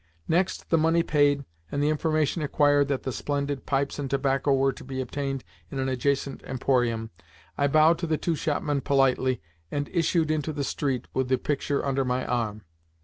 Next, the money paid, and the information acquired that splendid pipes and tobacco were to be obtained in an adjacent emporium, I bowed to the two shopmen politely, and issued into the street with the picture under my arm.